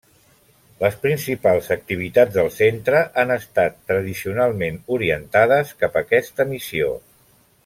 Les principals activitats del Centre han estat tradicionalment orientades cap aquesta missió.